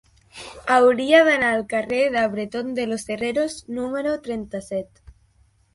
Hauria d'anar al carrer de Bretón de los Herreros número trenta-set.